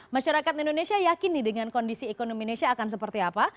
masyarakat indonesia yakin nih dengan kondisi ekonomi indonesia akan seperti apa